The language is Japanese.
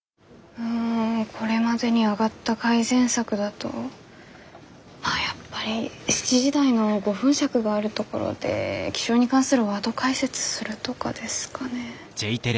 うんこれまでに挙がった改善策だとまあやっぱり７時台の５分尺があるところで気象に関するワード解説するとかですかね。